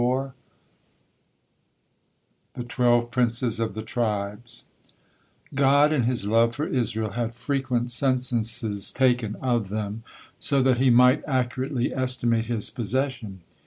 THE TWELVE PRINCES OF THE TRIBES God in His love for Israel had frequent censuses taken of them, so that He might accurately estimate His possession.